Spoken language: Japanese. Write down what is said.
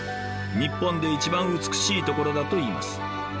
日本で一番美しいところだといいます。